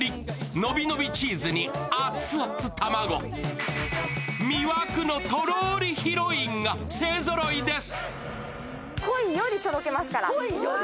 のびのびチーズに熱々卵魅惑のとろりヒロインが勢ぞろいです。